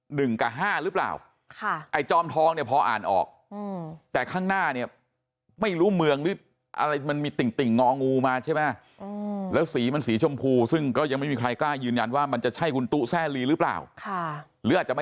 หนึ่งกับห้าหรือเปล่าค่ะไอ้จอมทองเนี้ยพออ่านออกอืม